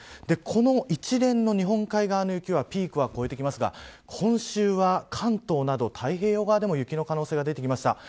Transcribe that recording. この一連の日本海側の雪はピークは越えてきますが今週は関東など太平洋側でも雪の可能性が出てきました。